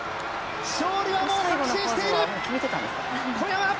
勝利はもう確信している、小山！